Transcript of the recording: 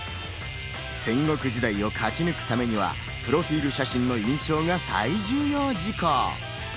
戦国時代を勝ち抜くためには、プロフィル写真の印象が最重要事項。